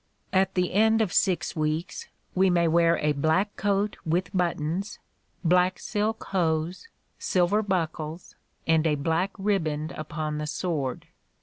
At the end of six weeks, we may wear a black coat with buttons, black silk hose, silver buckles, and a black ribband upon the sword.